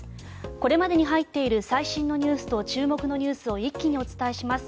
これまでに入っている最新ニュースと注目ニュースを一気にお伝えします。